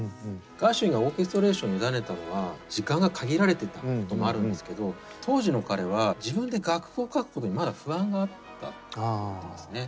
ガーシュウィンがオーケストレーションを委ねたのは時間が限られてたこともあるんですけど当時の彼は自分で楽譜を書くことにまだ不安があったといわれてますね。